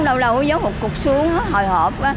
đâu đâu nó dốc một cụt xuống hơi hồi hộp quá